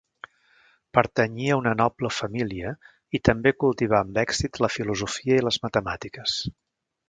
Pertanyia a una noble família i també cultivà amb èxit la filosofia i les matemàtiques.